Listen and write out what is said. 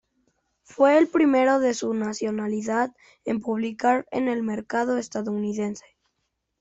Fue el primero de su nacionalidad en publicar en el mercado estadounidense.